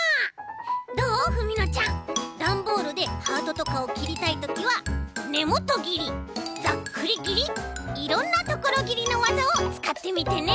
ダンボールでハートとかをきりたいときはねもとぎりざっくりぎりいろんなところぎりのわざをつかってみてね！